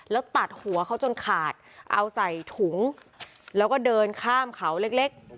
แล้วตัดหัวเขาจนขาดเอาใส่ถุงแล้วก็เดินข้ามเขาเล็ก